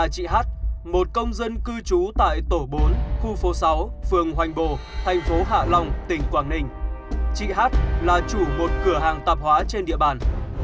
chị hát là chủ một cửa hàng tạp hóa trên địa bàn